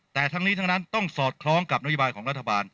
แต่ทั้งนี้ทั้งนั้นต้องสอดคล้องกับนโยบายของรัฐบาล